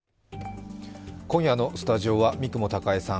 今夜のスタジオは三雲孝江さん